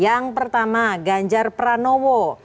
yang pertama ganjar pranowo